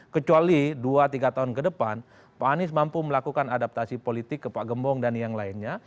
kecuali dua tiga tahun ke depan pak anies mampu melakukan adaptasi politik ke pak gembong dan yang lainnya